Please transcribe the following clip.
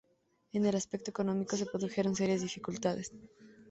En el aspecto económico se produjeron serias dificultades.